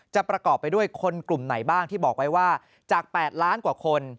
ประกอบไปด้วยคนกลุ่มไหนบ้างที่บอกไว้ว่าจาก๘ล้านกว่าคน